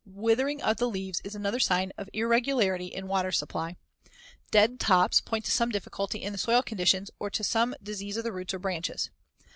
Withering of the leaves is another sign of irregularity in water supply. Dead tops point to some difficulty in the soil conditions or to some disease of the roots or branches.